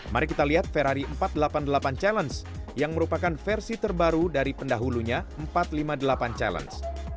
mari kita lihat ferrari empat ratus delapan puluh delapan challenge yang merupakan versi terbaru dari pendahulunya empat ratus lima puluh delapan challenge